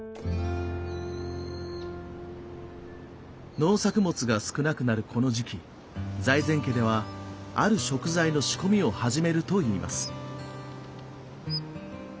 農作物が少なくなるこの時期財前家ではある食材の仕込みを始めるといいます。